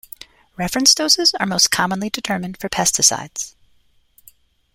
Reference doses are most commonly determined for pesticides.